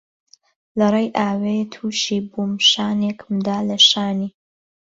لە ڕێی ئاوێ تووشی بووم شانێکم دا لە شانی